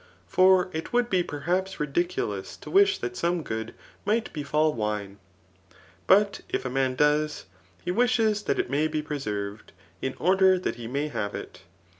For it would be perhaps ridiculous to wish that some good might befal wine ; but if a man does, he wishes that it may be preserved, in order that he may have it.